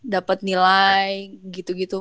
dapat nilai gitu gitu